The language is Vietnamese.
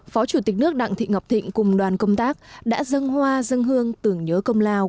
phó chủ tịch nước đặng thị ngọc thịnh cùng đoàn công tác đã dân hoa dân hương tưởng nhớ công lao